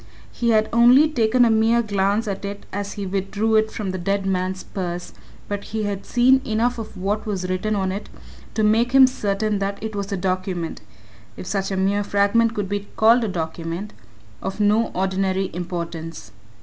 He had only taken a mere glance at it as he withdrew it from the dead man's purse, but he had seen enough of what was written on it to make him certain that it was a document if such a mere fragment could be called a document of no ordinary importance.